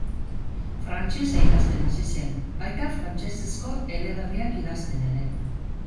Frantsesa ikasten hasi zen, baita frantsesezko eleberriak idazten ere.